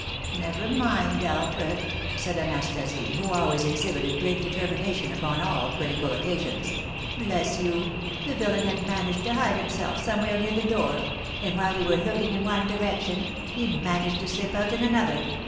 "Never mind, Alfred!" said Anastasie, who always exhibited great determination upon all critical occasions. "Bless you! The villain had managed to hide himself somewhere near the door, and, while we were looking in one direction, he managed to slip out in another.